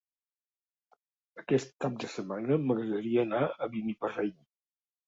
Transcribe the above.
Aquest cap de setmana m'agradaria anar a Beniparrell.